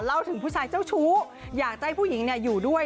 เล่าถึงผู้ชายเจ้าชู้อยากจะให้ผู้หญิงอยู่ด้วย